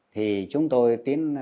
thì chúng tôi tiến cử các cái